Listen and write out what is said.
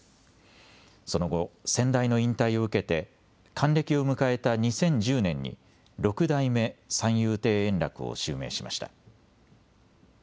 その後、先代の引退を受けて還暦を迎えた２０１０年に六代目三遊亭円楽を襲名しました。